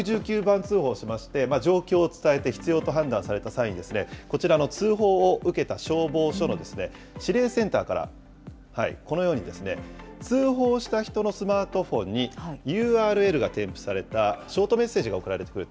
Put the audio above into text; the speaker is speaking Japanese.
通報しまして、状況を伝えて、必要と判断された際に、こちらの通報を受けた消防署の指令センターから、このように通報した人のスマートフォンに、ＵＲＬが添付されたショートメッセージが送られてくると。